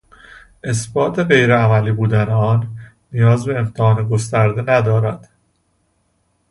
اثبات غیر عملی بودن آن، نیازی به امتحان گسترده ندارد.